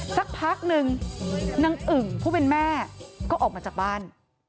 สักพักนึงนางอึ่งผู้เป็นแม่ก็ออกมาจากบ้าน